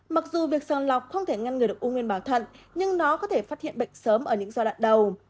mặc dù việc sàng lọc không thể ngăn người được ung nguyên bảo thận nhưng nó có thể phát hiện bệnh sớm ở những gia đoạn đầu